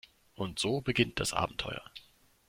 Und so beginnt das Abenteuer.